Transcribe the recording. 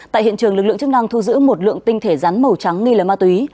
tại hiện trường lực lượng chức năng thu giữ một lượng tinh thể rắn màu trắng nghi lấy ma túy